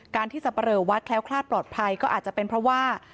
การที่จะแสดงวัดแค้วคลาดปลอดภัยก็อาจจะเป็นเพราะว่า